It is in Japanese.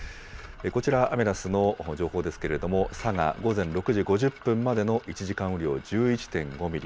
こちら、アメダスの情報ですけれども、佐賀、午前６時５０分までの１時間雨量、１１．５ミリ。